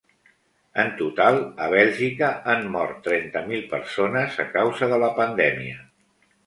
En total, a Bèlgica han mort trenta mil persones a causa de la pandèmia.